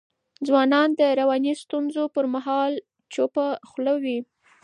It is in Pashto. ځوانان د رواني ستونزو پر مهال چوپه خوله وي.